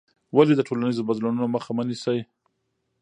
ولې د ټولنیزو بدلونونو مخه مه نیسې؟